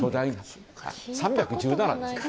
３１７ですよ。